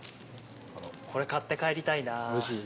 これ買って帰りたいな。